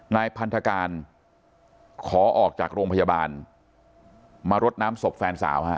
นายพันธการขอออกจากโรงพยาบาลมารดน้ำศพแฟนสาวฮะ